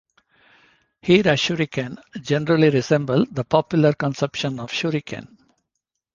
Hira-shuriken generally resemble the popular conception of shuriken.